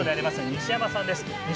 西山さんです。